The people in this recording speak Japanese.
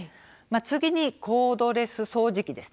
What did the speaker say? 次にコードレス掃除機